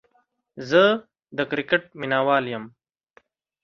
زه دا کرکټ ميناوال يم